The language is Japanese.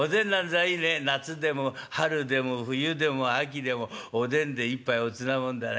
夏でも春でも冬でも秋でもおでんで一杯おつなもんだね。